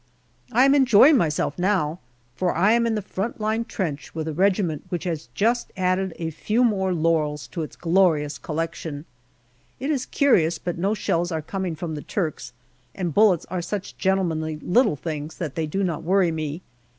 I am enjoying myself now, for I am in the front line trench with a regiment which has just added a few more laurels to its glorious collection. It is curious, but no shells are coming from the Turks, and bullets are such gentlemanly little things that they do not worry me.